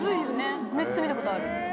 めっちゃ見たことある。